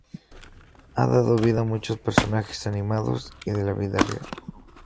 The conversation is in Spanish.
Ha dado vida a muchos personajes animados, y de la vida real.